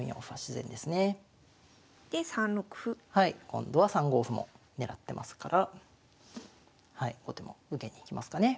今度は３五歩も狙ってますから後手も受けに行きますかね。